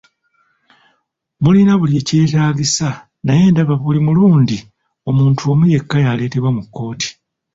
Mulina buli kyetaagisa naye ndaba buli mulundi omuntu omu yekka y'aleetebwa mu kkooti!